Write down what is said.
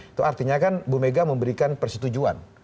itu artinya kan bu mega memberikan persetujuan